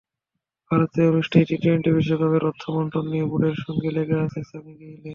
ভারতে অনুষ্ঠেয় টি-টোয়েন্টি বিশ্বকাপের অর্থ বণ্টন নিয়ে বোর্ডের সঙ্গে লেগে গেছে স্যামি-গেইলদের।